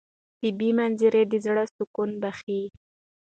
طبیعي منظرې د زړه سکون بښي.